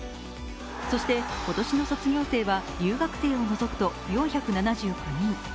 そして、今年の卒業生は留学生を除くと４７９人。